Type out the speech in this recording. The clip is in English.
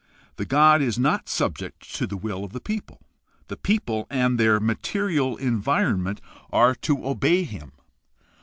The god is not subject to the will of the people; the people and their material environment are to obey him.